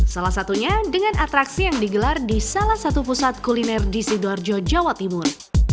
salah satunya dengan atraksi yang digelar di salah satu pusat kuliner di sidoarjo jawa timur